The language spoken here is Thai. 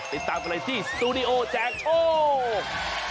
ติดตามกันเลยที่สตูดิโอแจกโชค